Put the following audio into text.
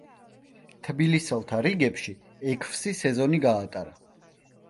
თბილისელთა რიგებში ექვსი სეზონი გაატარა.